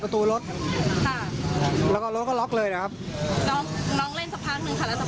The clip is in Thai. รถมันดันกึ๊กกึ๊กก็คือถัดไปคือเขาล็อกแล้วอ๋อ